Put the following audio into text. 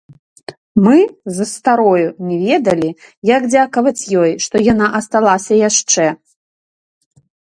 Мы з старою не ведалі, як дзякаваць ёй, што яна асталася яшчэ.